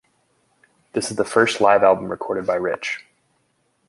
This is the first live album recorded by Rich.